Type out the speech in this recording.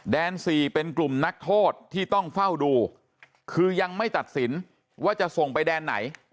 ๔เป็นกลุ่มนักโทษที่ต้องเฝ้าดูคือยังไม่ตัดสินว่าจะส่งไปแดนไหน